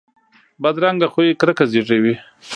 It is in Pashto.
بدرنګه خوی کرکه زیږوي